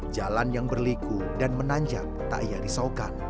jalan yang berliku dan menanjak tak ia risaukan